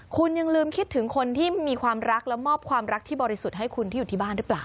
คุณยังลืมคิดถึงคนที่มีความรักและมอบความรักที่บริสุทธิ์ให้คุณที่อยู่ที่บ้านหรือเปล่า